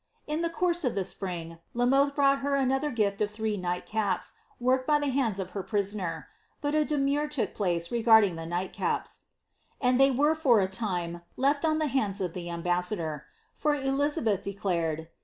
the course of the spring, La Molhe brought her another gift of I night caps, worked by the hand of her prisoner; but a demur place regarding ihe nighl caps, and they were for a lime left on hands of llie ambassador; for Elizabeth declared.